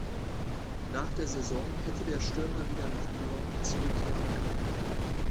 Nach der Saison hätte der Stürmer wieder nach Lyon zurückkehren können.